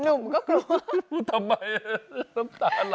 หนุ่มก็กลัว